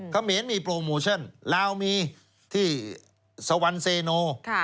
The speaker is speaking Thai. เขมรมีโปรโมชั่นลาวมีที่สวรรค์เซโน